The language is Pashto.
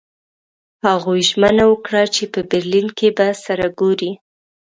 هغوی ژمنه وکړه چې په برلین کې به سره ګوري